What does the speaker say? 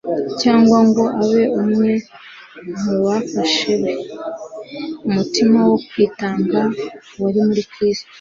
cyangwa ngo abe umwe mu bafasha be. Umutima wo kwitanga wari muri Kristo,